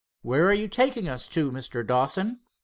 "Where are you taking us to, Mr. Dawson?"